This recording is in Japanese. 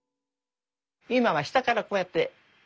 今は下からこうやって。